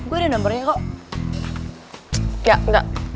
gue ada nomernya kok